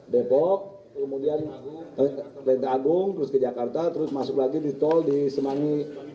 depok kemudian lenteng agung terus ke jakarta terus masuk lagi di tol di semangi